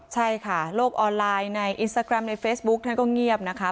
ใช่ค่ะโลกออนไลน์ในอินสตาแกรมในเฟซบุ๊กท่านก็เงียบนะคะ